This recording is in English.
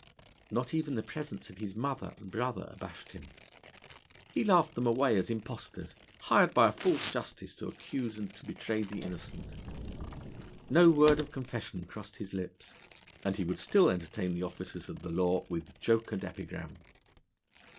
Not even the presence of his mother and brother abashed him. He laughed them away as impostors, hired by a false justice to accuse and to betray the innocent. No word of confession crossed his lips, and he would still entertain the officers of the law with joke and epigram.